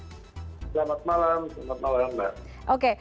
selamat malam selamat malam mbak